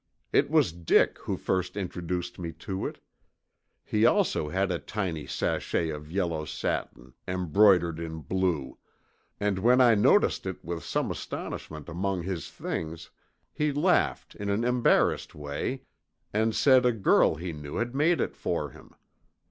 It was Dick who first introduced me to it. He also had a tiny sachet of yellow satin embroidered in blue and when I noticed it with some astonishment among his things he laughed in an embarrassed way and said a girl he knew had made it for him.